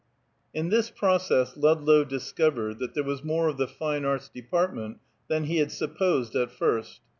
III. In this process Ludlow discovered that there was more of the Fine Arts Department than he had supposed at first.